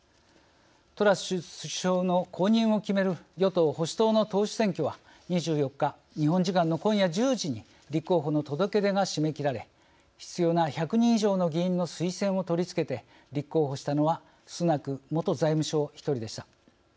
トラス首相の後任を決める与党・保守党の党首選挙は２４日、日本時間の今夜１０時に立候補の届け出が締め切られ必要な１００人以上の議員の推薦を取り付けて立候補したのはスナク元財務相１人でした。